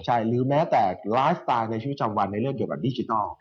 ใช่หรือแม้แต่ไลฟ์สไตล์ในชีวิตจำวันในเรื่องเกี่ยวกับดิจิทัล